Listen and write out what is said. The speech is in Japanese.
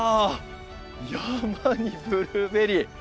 山にブルーベリー！